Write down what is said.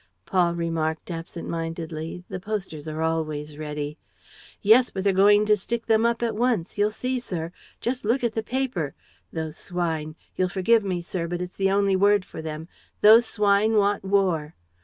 Paul remarked, absent mindedly: "The posters are always ready." "Yes, but they're going to stick them up at once, you'll see, sir. Just look at the paper. Those swine you'll forgive me, sir, but it's the only word for them those swine want war.